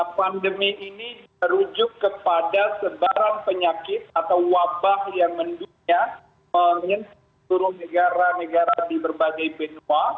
pandemi ini terujuk kepada sebarang penyakit atau wabah yang menduduknya menyentuh negara negara di berbagai benua